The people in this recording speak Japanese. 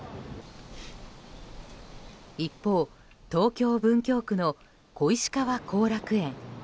一方、東京・文京区の小石川後楽園。